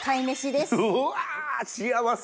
うわ幸せ。